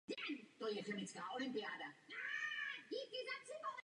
Divadelní skupina měla k dispozici jeden autobus a jednoho technického pracovníka.